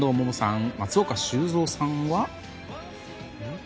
そして、松岡修造さんは。